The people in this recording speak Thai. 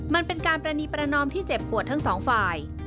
มันเป็นการปรณีประนอมที่เจ็บปวดทั้งสองฝ่าย